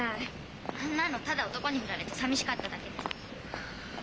あんなのただ男に振られてさみしかっただけです。